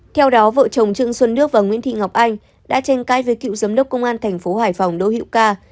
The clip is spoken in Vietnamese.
theo đó vợ chồng trương xuân đước và nguyễn thị ngọc anh đã tranh cãi với cựu giám đốc công an thành phố hải phòng đỗ hiệu ca